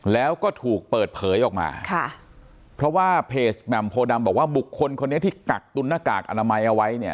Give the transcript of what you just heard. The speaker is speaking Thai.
แล้วก็ถูกเปิดเผยออกมาค่ะเพราะว่าเพจแหม่มโพดำบอกว่าบุคคลคนนี้ที่กักตุนหน้ากากอนามัยเอาไว้เนี่ย